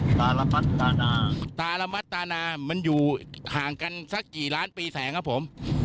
ตาระมัดตานาตาระมัดตานามันอยู่ห่างกันสักกี่ล้านปีแสงครับผม